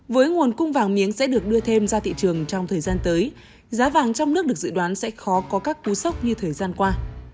với nguồn cung vàng miếng sẽ được đưa thêm ra thị trường trong thời gian tới giá vàng trong nước được dự đoán sẽ khó có các cú sốc như thời gian qua